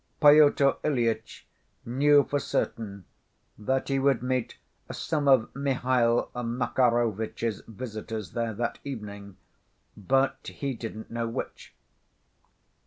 Pyotr Ilyitch knew for certain that he would meet some of Mihail Makarovitch's visitors there that evening, but he didn't know which.